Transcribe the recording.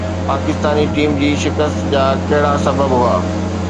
Pakistani team جي شڪست جا ڪهڙا سبب هئا؟